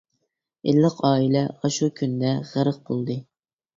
ئىللىق ئائىلە ئاشۇ كۈندە غەرق بولدى.